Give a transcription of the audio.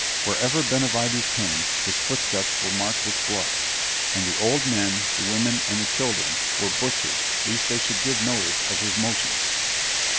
Whereever Benavides came, his footsteps were marked with blood, and the old men, the women, and the children, were butchered lest they should give notice of his motions.